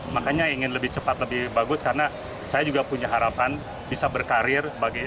makanya ingin lebih cepat lebih bagus karena saya juga punya harapan bisa berkarir